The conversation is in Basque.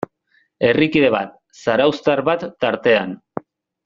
Herrikide bat, zarauztar bat tartean.